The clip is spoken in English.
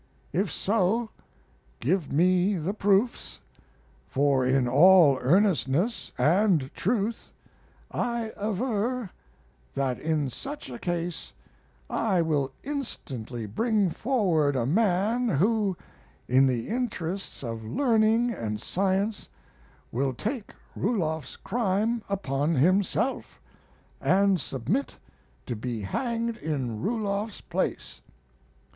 If so, give me the proofs, for in all earnestness and truth I aver that in such a case I will instantly bring forward a man who, in the interests of learning and science, will take Ruloff's crime upon himself, and submit to be hanged in Ruloff's place.